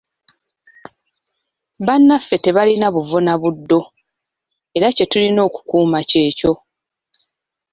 Bannaffe tebalina buvo na buddo era kye tulina okukuuma kyekyo.